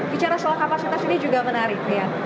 bicara soal kapasitas ini juga menarik rian